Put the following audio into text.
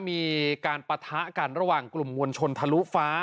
มีการปฐะกันระหว่างกลุ่มมวลชนธรุภา